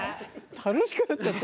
楽しくなっちゃった。